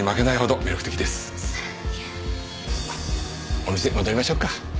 お店戻りましょうか。